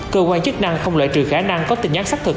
cơ quan chức năng không lợi trừ khả năng có tin nhắn xác thực